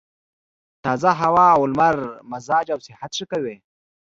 تازه هوا او لمر مزاج او صحت ښه کوي.